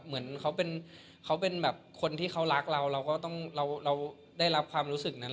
เหมือนเขาเป็นแบบคนที่เขารักเราเราก็ต้องเราได้รับความรู้สึกนั้น